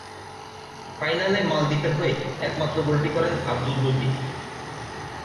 ফাইনালে মালদ্বীপের হয়ে একমাত্র গোলটি করেন আব্দুল লতিফ।